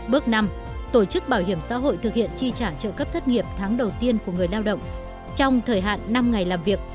bước năm tổ chức bảo hiểm xã hội thực hiện chi trả trợ cấp thất nghiệp tháng đầu tiên của người lao động trong thời hạn năm ngày làm việc